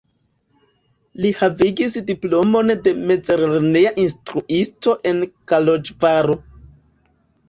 Li havigis diplomon de mezlerneja instruisto en Koloĵvaro.